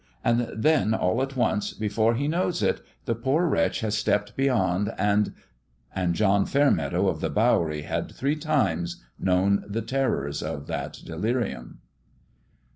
And then, all at once, before he knows it, the poor wretch has stepped beyond, and ... And John Fairmeadow of the Bowery had three times known the terrors of that delirium.